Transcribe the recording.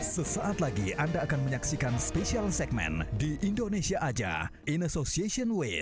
sesaat lagi anda akan menyaksikan special segmen di indonesia aja in association way